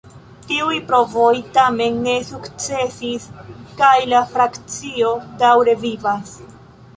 Tiuj provoj tamen ne sukcesis, kaj la frakcio daŭre vivas.